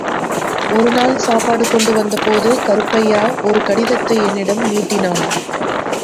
ஒருநாள் சாப்பாடு கொண்டு வந்தபோது கருப்பையா ஒரு கடிதத்தை என்னிடம் நீட்டினான்.